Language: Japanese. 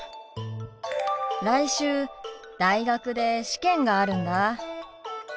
来週大学で試験があるんだ。